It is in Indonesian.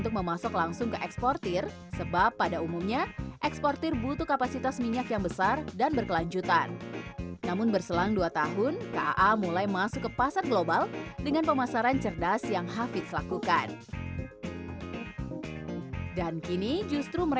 kalau nara sendiri itu ada dua cara penjualan yang pertama online dan juga offline